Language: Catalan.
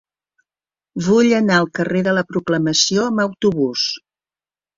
Vull anar al carrer de la Proclamació amb autobús.